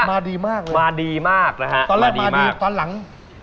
มาดีมากเลยมาดีมากนะฮะตอนแรกมาดีตอนหลัง